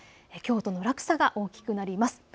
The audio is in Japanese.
きょうとの落差が大きくなります。